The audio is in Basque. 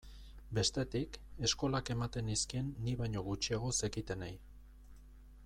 Bestetik, eskolak ematen nizkien ni baino gutxiago zekitenei.